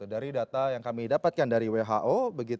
dari data yang kami dapatkan dari who